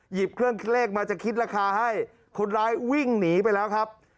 หยิบเครื่องเลขมาจะคิดราคาให้คนร้ายวิ่งหนีไปแล้วครับ